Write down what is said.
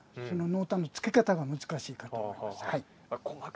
その濃淡のつけ方が難しいかと思います。